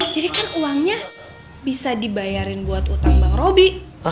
jadi kan uangnya bisa dibayarin buat utang bank robi